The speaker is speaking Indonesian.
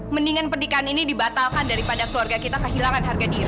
mendingan pernikahan ini dibatalkan daripada keluarga kita kehilangan harga diri